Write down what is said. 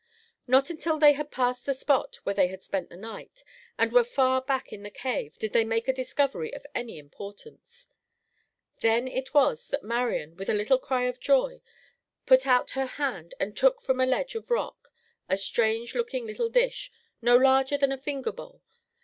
Not until they had passed the spot where they had spent the night, and were far back in the cave, did they make a discovery of any importance. Then it was that Marian, with a little cry of joy, put out her hand and took from a ledge of rock a strange looking little dish no larger than a finger bowl.